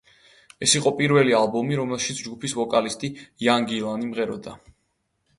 ეს იყო პირველი ალბომი, რომელშიც ჯგუფის ვოკალისტი იენ გილანი მღეროდა.